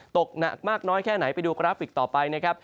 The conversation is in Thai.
ตกหนักมากน้อยแค่ไหนไปดูกราฟิกต่อไปนะครับ